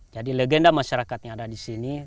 jadi legenda masyarakatnya ada di sini